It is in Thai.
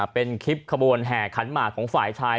เป็นคลิปขบวนแห่ขันหมากของฝ่ายชาย